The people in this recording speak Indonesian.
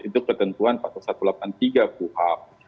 itu ketentuan empat ratus delapan puluh tiga kuap